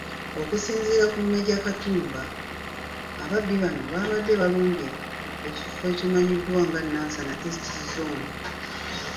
Okusinziira ku Maj. Katamba, ababbi bano baabadde balumbye ekifo ekimanyiddwa nga Nansana East zooni.